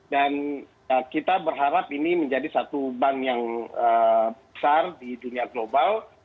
dan kita berharap ini menjadi satu bank yang besar di dunia global